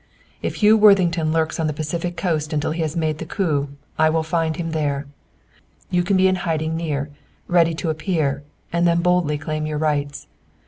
"If Hugh Worthington lurks on the Pacific Coast until he has made the coup, I will find him out there. You can be in hiding near, ready to appear, and then boldly claim your rights.